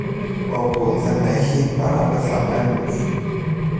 όπου δεν έχει παρά πεθαμένους!